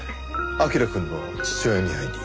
彬くんの父親に会いに。